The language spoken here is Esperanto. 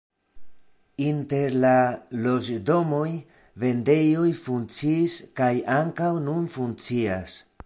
Inter la loĝdomoj vendejoj funkciis kaj ankaŭ nun funkcias.